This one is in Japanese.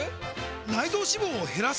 内臓脂肪を減らす！？